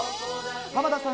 濱田さん